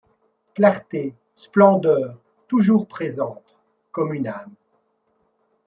Clarté, splendeur, toujours présente. comme une âme